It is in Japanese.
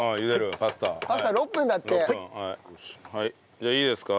じゃあいいですか？